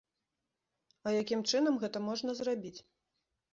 А якім чынам гэта можна зрабіць?